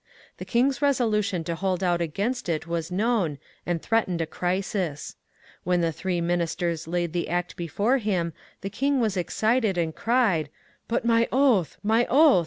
The king's resolution to hold out against it was 446 MONCUEE DANIEL CX)NWAY known, and threatened a crisis. When the three ministers hud the act before him the king was excited, and cried, ^* Bat my oath I my oath